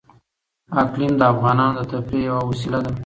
اقلیم د افغانانو د تفریح یوه وسیله ده.